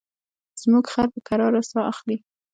زموږ خر په کراره ساه اخلي.